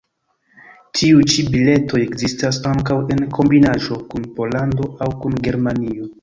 Tiuj ĉi biletoj ekzistas ankaŭ en kombinaĵo kun Pollando aŭ kun Germanio.